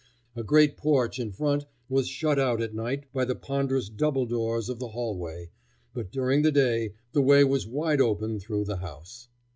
A great porch in front was shut out at night by the ponderous double doors of the hallway, but during the day the way was wide open through the house.